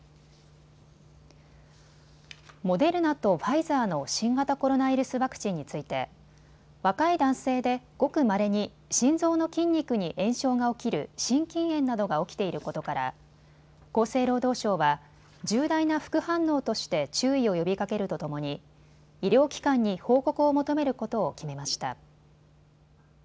モデルナとファイザーの新型コロナウイルスワクチンについて若い男性で、ごくまれに心臓の筋肉に炎症が起きる心筋炎などが起きていることから厚生労働省は重大な副反応として注意を呼びかけるとともに医療機関に報告を求めることを決めました。